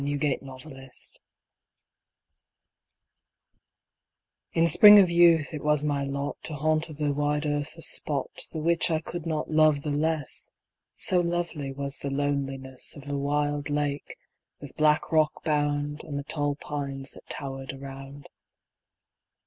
THE LAKE —— TO—— In spring of youth it was my lot To haunt of the wide earth a spot The which I could not love the less— So lovely was the loneliness Of a wild lake, with black rock bound, And the tall pines that tower'd around.